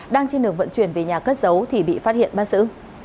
đang trên đường vận chuyển về nhà cất giấu thì bị phát hiện bắt giữ